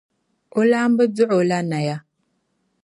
O laamba dɔɣi o la Naya.